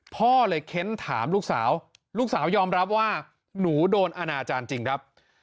พ่อเลยเค้นถามลูกสาวลูกสาวยอมรับว่าหนูโดนอนาจารย์จริงครับ